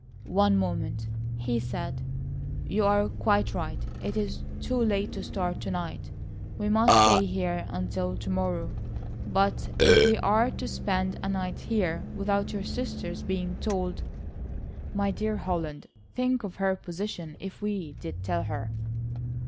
"One moment," he said, "you are quite right. It is too late to start to night. We must stay here until to morrow. But if we are to spend a night here without your sister's being told—" "My dear Holland, think of her position, if we did tell her!"